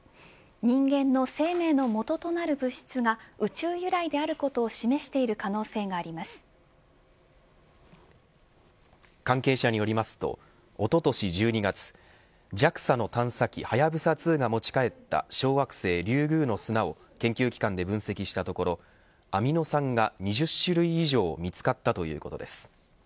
人間の生命の源とみられる物質が宇宙由来であることを関係者によりますとおととし１２月ＪＡＸＡの探査機、はやぶさ２が持ち帰った小惑星リュウグウの砂を研究機関で分析したところアミノ酸が２０種類以上見つかったということです。